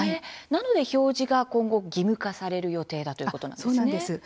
なので表示が今後、義務化される予定だということなんですね。